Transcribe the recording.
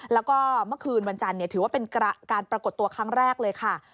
แล้วก็เมื่อคืนวันจันทร์ถือว่าเป็นการปรากฏตัวครั้งแรกเลยค่ะ